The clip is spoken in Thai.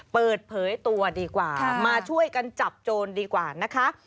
เปิดเผยตัวดีกว่ามาช่วยกันจับโจรดีกว่านะคะ